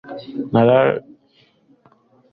nagaragaze ko ibyo mvuze ari amahomvu